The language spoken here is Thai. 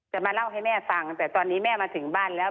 มาเล่าให้แม่ฟังแต่ตอนนี้แม่มาถึงบ้านแล้ว